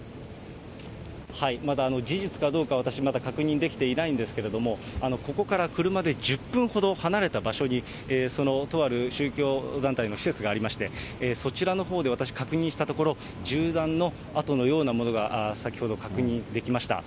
まだ事実かどうか、私まだ確認できていないんですけれども、ここから車で１０分ほど離れた場所に、そのとある宗教団体の施設がありまして、そちらのほうで私、確認したところ、銃弾の痕のようなものが先ほど、確認できました。